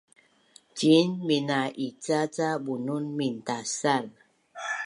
ciin mina’ica ca bunun mintasal